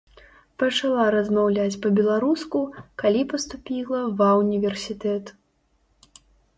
Пачала размаўляць па-беларуску, калі паступіла ва ўніверсітэт.